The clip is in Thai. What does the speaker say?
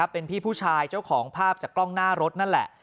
เป็นพี่ผู้ชายเจ้าของภาพจากกล้องหน้ารถนั่นแหละ